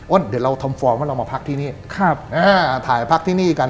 เดี๋ยวเราทำฟอร์มว่าเรามาพักที่นี่ครับอ่าถ่ายพักที่นี่กัน